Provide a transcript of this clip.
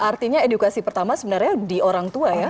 artinya edukasi pertama sebenarnya di orang tua ya